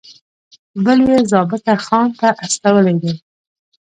بل یې ضابطه خان ته استولی دی.